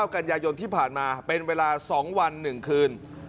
กันยายนที่ผ่านมาเป็นเวลา๒วัน๑คืน